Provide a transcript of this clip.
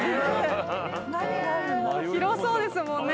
広そうですもんね